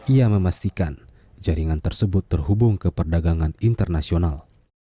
ia memastikan jaringan tersebut terhubung ke perdagangan internasional